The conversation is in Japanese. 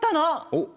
おっ！